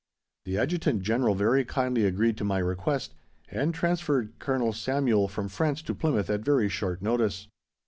The Adjutant General very kindly agreed to my request, and transferred Colonel Samuel from France to Plymouth at very short notice.